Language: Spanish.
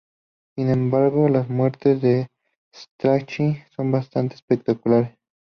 Sin embargo, las "muertes" de Scratchy son bastante espectaculares.